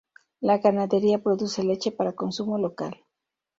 La ganadería produce leche para consumo local.